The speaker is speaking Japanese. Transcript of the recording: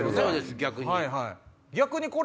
逆に。